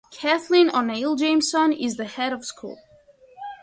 Kathleen O'Neill Jamieson is the Head of School.